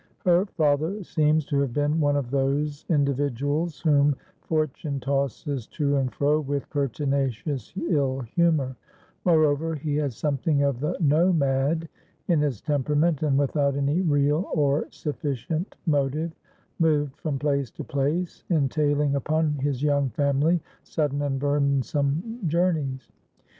Her father seems to have been one of those individuals whom Fortune tosses to and fro with pertinacious ill humour; moreover, he had something of the nomad in his temperament, and without any real or sufficient motive, moved from place to place, entailing upon his young family sudden and burdensome journeys.